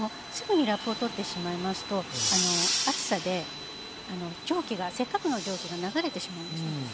すぐにラップを取ってしまいますと熱さでせっかくの蒸気が流れてしまうんですね。